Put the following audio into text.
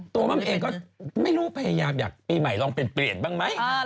ม่ำเองก็ไม่รู้พยายามอยากปีใหม่ลองเปลี่ยนบ้างไหม